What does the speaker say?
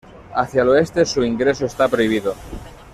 Hacia el oeste, su ingreso está prohibido.